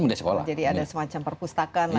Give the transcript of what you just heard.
jadi ada semacam perpustakaan